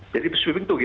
jadi sweeping itu